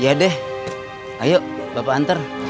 ya deh ayo bapak antar